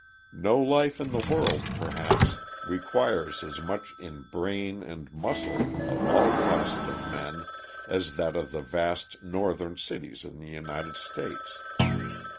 No life in the world, perhaps, requires as much in brain and muscle of all classes of men as that of the vast Northern cities in the United States.